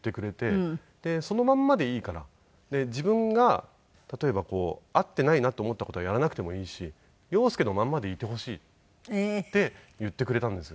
「そのまんまでいいから」「自分が例えば合っていないなと思った事はやらなくてもいいし洋輔のまんまでいてほしい」って言ってくれたんですよ。